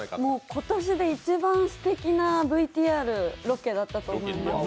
今年で一番すてきなＶＴＲ、ロケだったと思います。